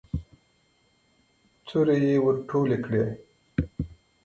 تورې يې ور ټولې کړې.